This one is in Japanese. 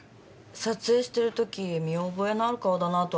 撮影している時見覚えのある顔だなとは思ったんです。